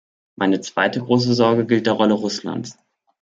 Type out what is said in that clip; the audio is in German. Meine zweite große Sorge gilt der Rolle Russlands.